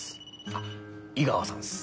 あっ井川さんす。